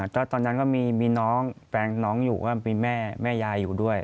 เพราะตอนนั้นก็มีน้องแฟนน้องอยู่มีแม่ยายอยู่ด้วย